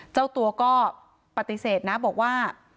เจ้าตัวก็ปฏิเสธนะบอกว่า